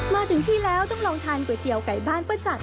มาถึงที่แล้วต้องลองทานก๋วยเตี๋ยวไก่บ้านป้าจักษ